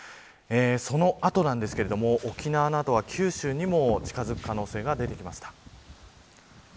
その後なんですが沖縄の後は、九州にも近づく可能性が出てきました。